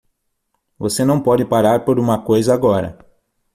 Você não pode parar por uma coisa agora!